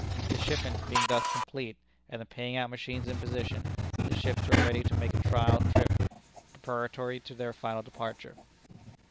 The shipment being thus complete, and the paying out machines in position, the ships were ready to make a trial trip, preparatory to their final departure.